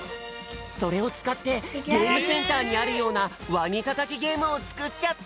それをつかってゲームセンターにあるようなワニたたきゲームをつくっちゃった！